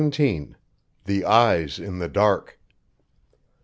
THE EYES IN THE DARK.